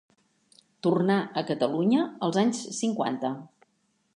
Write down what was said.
Tornà a Catalunya als anys cinquanta.